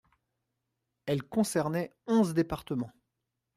Elle concernait onze départements.